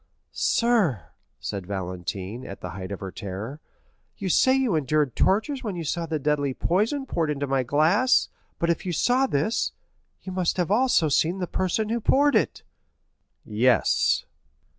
"Sir," said Valentine, at the height of her terror, "you say you endured tortures when you saw the deadly poison poured into my glass; but if you saw this, you must also have seen the person who poured it?" "Yes."